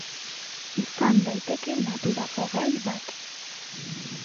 izan daiteke naturako gai bat